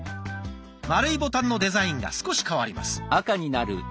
丸いボタンのデザインが少し変わります。